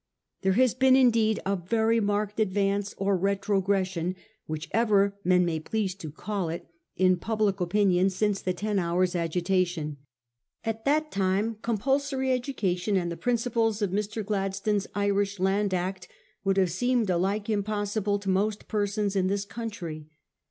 There has been indeed a very marked advance or retrogression, whichever men may please to call it, in public opinion since the ten hours' agita tion. At that time compulsory education and the principles of Mr. Gladstone's Irish Land Act would have seemed alike impossible to most persons in this country.